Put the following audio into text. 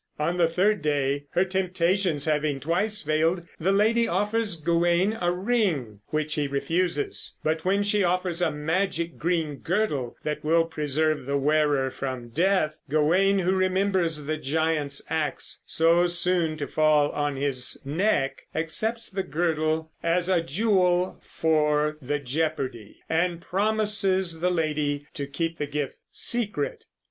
On the third day, her temptations having twice failed, the lady offers Gawain a ring, which he refuses; but when she offers a magic green girdle that will preserve the wearer from death, Gawain, who remembers the giant's ax so soon to fall on his neck, accepts the girdle as a "jewel for the jeopardy" and promises the lady to keep the gift secret.